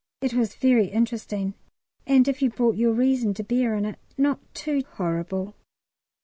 It was very interesting, and if you brought your reason to bear on it, not too horrible.